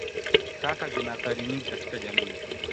Taka zina athari nyingi katika jamii.